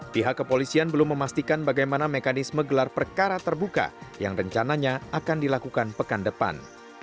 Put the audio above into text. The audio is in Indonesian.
pihak kepolisian belum memastikan bagaimana mekanisme gelar perkara terbuka yang rencananya akan dilakukan pekan depan